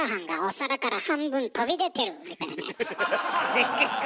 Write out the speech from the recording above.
絶景か。